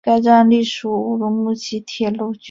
该站隶属乌鲁木齐铁路局。